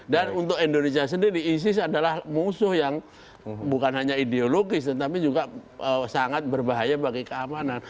dan untuk indonesia sendiri isis adalah musuh yang bukan hanya ideologis tapi juga sangat berbahaya bagi keamanan